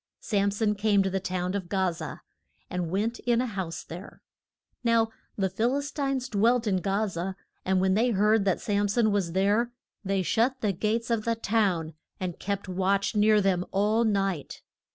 Sam son came to the town of Ga za, and went in a house there. Now the Phil is tines dwelt in Ga za, and when they heard that Sam son was there they shut the gates of the town, and kept watch near them all night.